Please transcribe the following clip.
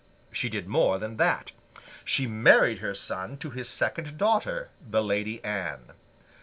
She did more than that; she married her son to his second daughter, the Lady Anne.